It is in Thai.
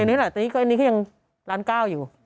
อันนี้ละตอนนี้ก็ยังล้าน๙อยู่